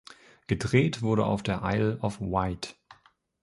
Gedreht wurde auf der Isle of Wight.